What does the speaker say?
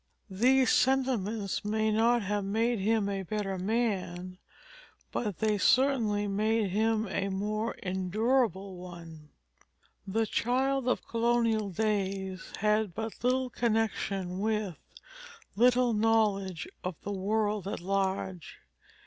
These sentiments may not have made him a better man, but they certainly made him a more endurable one. The child of colonial days had but little connection with, little knowledge of, the world at large.